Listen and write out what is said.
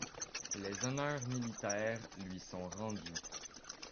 Les honneurs militaires lui sont rendus.